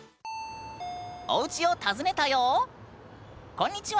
こんにちは！